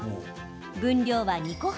分量は２個半。